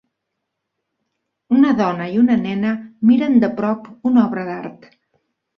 Una dona i una nena miren de prop una obra d'art.